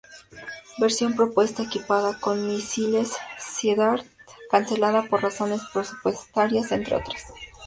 Versión propuesta, equipada con misiles Sea Dart; cancelada por razones presupuestarias entre otras.